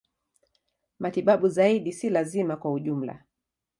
Matibabu zaidi si lazima kwa ujumla.